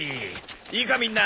いいかみんな！